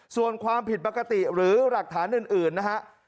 ส่วนความผิดปกติหรือหลักฐานอื่นนะฮะ